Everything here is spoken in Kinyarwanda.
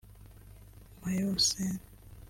Mauyhausen